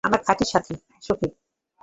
আমার খাঁটি সখী।